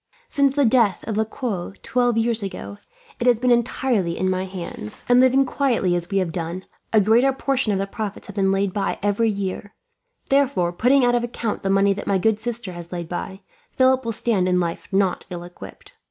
Since the death of Lequoc, twelve years ago, it has been entirely in my hands and, living quietly as we have done, a greater portion of the profits have been laid by every year; therefore, putting out of account the money that my good sister has laid by, Philip will start in life not ill equipped.